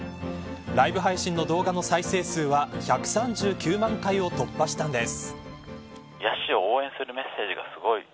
ライブ配信の動画の再生数は１３９万回を突破したんです。